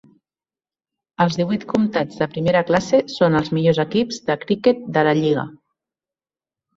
Els divuit comtats de primera classe són els millors equips de criquet de la lliga.